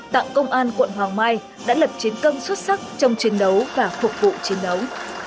tặng công an quận hoàng mai đã lập chiến công xuất sắc trong chiến đấu và phục vụ chiến đấu